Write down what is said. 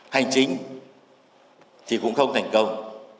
hành chính thì cũng không thành công